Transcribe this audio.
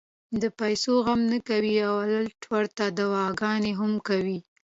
د پېسو غم نۀ کوي او الټا ورته دعاګانې هم کوي -